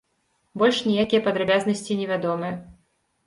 Больш ніякія падрабязнасці невядомыя.